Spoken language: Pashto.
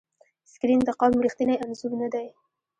سکرین د قوم ریښتینی انځور نه دی.